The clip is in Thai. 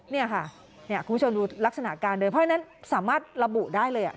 นี่ค่ะคุณผู้ชมดูลักษณะการเดินเพราะฉะนั้นสามารถระบุได้เลย